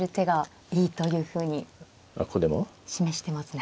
示してますね。